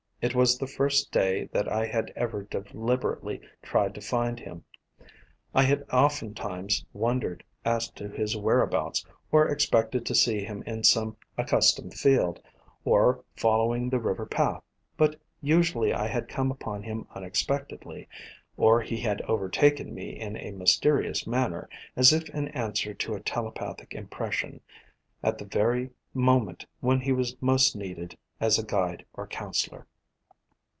It was the first day that I had ever deliberately tried to find him. I had oftentimes wondered as to his whereabouts, or ex pected to see him in some ac customed field, or following the river path, but usually I had come upon him unexpectedly, or he had overtaken me in a mys terious manner, as if in answer to a telepathic impression, at the very moment when he was most needed as a guide or counselor.